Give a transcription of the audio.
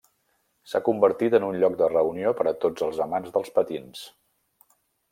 S'ha convertit en un lloc de reunió per a tots els amants dels patins.